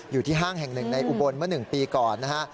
อยู่ที่ห้างแห่งหนึ่งในอุบลเมื่อหนึ่งปีก่อนนะฮะ